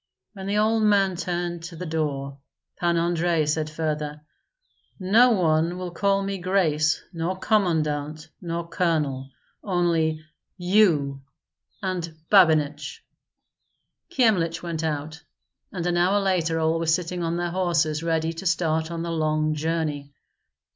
When the old man turned to the door, Pan Andrei said further, "No one will call me grace nor commandant nor colonel, only you and Babinich." Kyemlich went out, and an hour later all were sitting on their horses ready to start on the long journey.